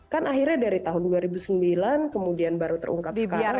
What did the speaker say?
kan akhirnya dari tahun dua ribu sembilan kemudian baru terungkap sekarang